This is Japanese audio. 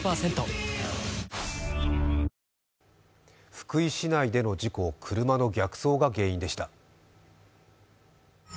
福井市内での事故、車の逆走が原因でした。